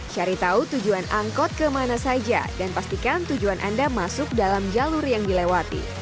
cari tahu tujuan angkot kemana saja dan pastikan tujuan anda masuk dalam jalur yang dilewati